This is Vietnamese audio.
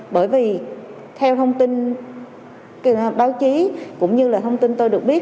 bởi vì theo thông tin báo chí cũng như là thông tin tôi được biết